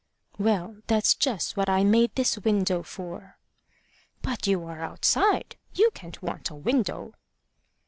"Well, that's just what I made this window for." "But you are outside: you can't want a window."